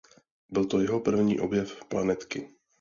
Byl to jeho první objev planetky.